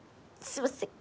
すいません。